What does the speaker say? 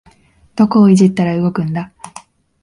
どこをいじったら動くんだ